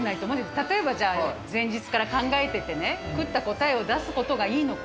例えばじゃあ、前日から考えててね、くった答えを出すのがいいのか。